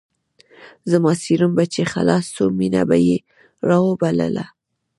زما سيروم به چې خلاص سو مينه به يې راوبلله.